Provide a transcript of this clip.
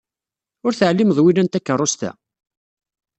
Ur teɛlimeḍ wilan takeṛṛust-a?